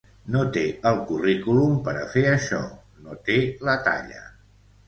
No té el currículum per a fer això, no té la talla.